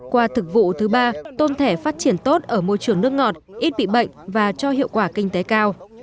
qua thực vụ thứ ba tôm thẻ phát triển tốt ở môi trường nước ngọt ít bị bệnh và cho hiệu quả kinh tế cao